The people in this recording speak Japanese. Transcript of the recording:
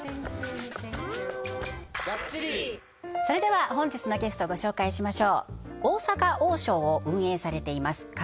それでは本日のゲストをご紹介しましょう大阪王将を運営されています